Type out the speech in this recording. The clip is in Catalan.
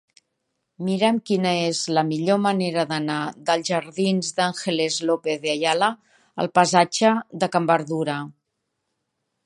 Mira'm quina és la millor manera d'anar dels jardins d'Ángeles López de Ayala al passatge de Can Berdura.